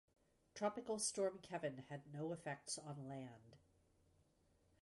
Tropical Storm Kevin had no effects on land.